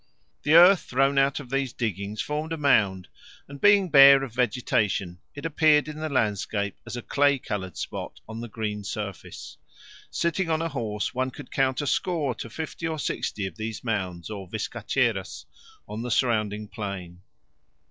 The earth thrown out of these diggings formed a mound, and being bare of vegetation it appeared in the landscape as a clay coloured spot on the green surface. Sitting on a horse one could count a score to fifty or sixty of these mounds or vizcacheras on the surrounding plain.